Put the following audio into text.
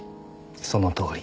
そのとおり。